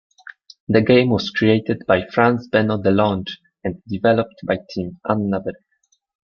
The game was created by Franz-Benno Delonge and developed by Team Annaberg.